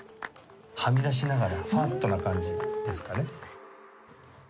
はみ出しながらファットな感じですかね。